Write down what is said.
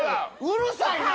うるさいな！